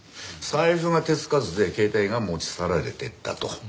財布が手つかずで携帯が持ち去られてたと。